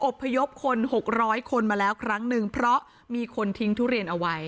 พยพคนหกร้อยคนมาแล้วครั้งหนึ่งเพราะมีคนทิ้งทุเรียนเอาไว้